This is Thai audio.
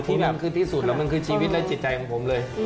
ที่แบบมันคือที่สุดและมันคือชีวิตและจิตใจของผมเลย